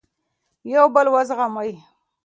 یو بل وزغمئ.